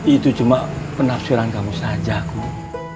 itu cuma penafsiran kamu saja kok